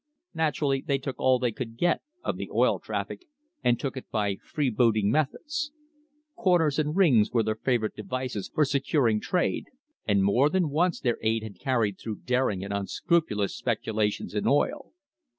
Naturally they took all they could get of the oil traffic and took it by freebooting methods. "Corners" and "rings" were their favourite devices for securing trade, and more than once their aid had carried through daring and unscrupulous speculations in oil.